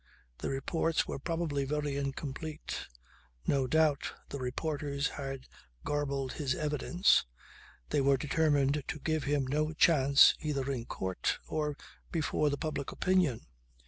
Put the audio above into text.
The reports were probably very incomplete. No doubt the reporters had garbled his evidence. They were determined to give him no chance either in court or before the public opinion.